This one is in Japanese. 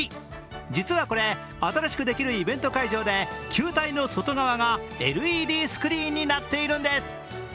実はこれ、新しくできるイベント会場で球体の外側がＬＥＤスクリーンになっているんです。